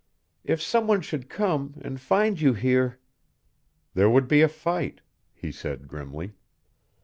If some one should come and find you here " "There would be a fight," he said grimly.